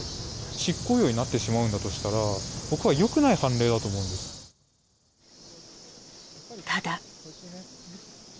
執行猶予になってしまうんだとしたら、僕はよくない判例だと思うただ。